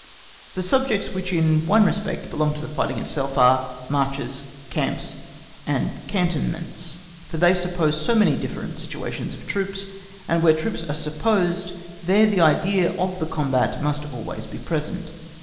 The subjects which in one respect belong to the fighting itself are marches, camps, and cantonments, for they suppose so many different situations of troops, and where troops are supposed there the idea of the combat must always be present.